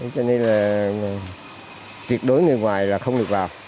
cho nên là tuyệt đối người ngoài là không được vào